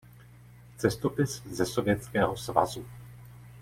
Cestopis ze Sovětského svazu.